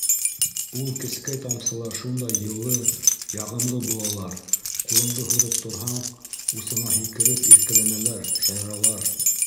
Ул кескәй тамсылар шундай йылы, яғымлы булалар, ҡулыңды һуҙып торһаң, усыңа һикереп иркәләнәләр, шаяралар.